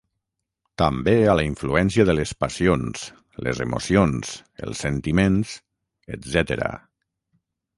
També a la influència de les passions, les emocions, els sentiments, etcètera.